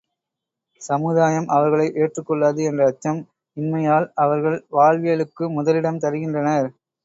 சமுதாயம் அவர்களை ஏற்றுக் கொள்ளாது என்ற அச்சம் இன்மையால் அவர்கள் வாழ்விய லுக்கு முதலிடம் தருகின்றனர்.